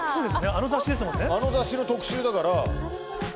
あの雑誌の特集だから。